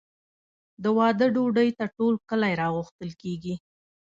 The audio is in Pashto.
د واده ډوډۍ ته ټول کلی راغوښتل کیږي.